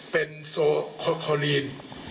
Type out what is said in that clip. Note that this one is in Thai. เป็นโซคอลีน